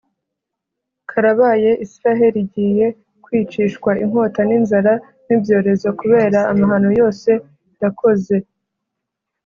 Karabaye Israheli igiye kwicishwa inkota n inzara n’ibyorezo kubera amahano yose yakoze